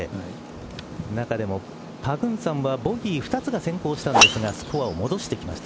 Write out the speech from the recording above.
中でもパグンサンはボギー２つが先行したんですがスコアを戻してきました。